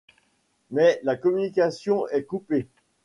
Mais la communication est coupée...